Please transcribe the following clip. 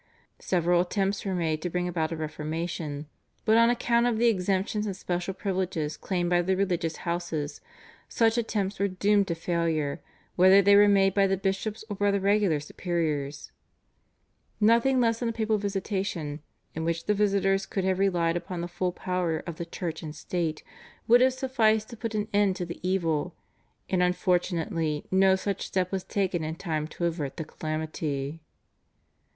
Several attempts were made to bring about a reformation, but on account of the exemptions and special privileges claimed by the religious houses, such attempts were doomed to failure, whether they were made by the bishops or by the regular superiors. Nothing less than a papal visitation, in which the visitors could have relied upon the full power of the Church and State, would have sufficed to put an end to the evil, and unfortunately no such step was taken in time to avert the calamity.